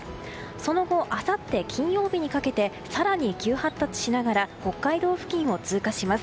その後、あさって金曜日にかけて更に急発達しながら北海道付近を通過します。